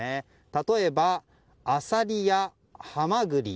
例えば、アサリやハマグリ